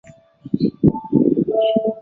现任社长为金炳镐。